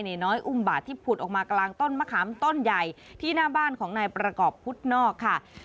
น้อยอุ้มบาทที่ผุดออกมากลางต้นมะขามต้นใหญ่ที่หน้าบ้านของนายประกอบพุทธนอกค่ะ